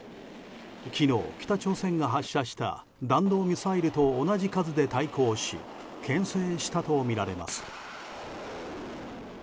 昨日、北朝鮮が発射した弾道ミサイルと同じ数で対抗し牽制したとみられます。